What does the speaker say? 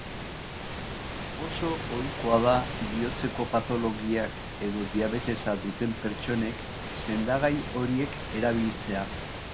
Oso ohikoa da bihotzeko patologiak edo diabetesa duten pertsonek sendagai horiek erabiltzea.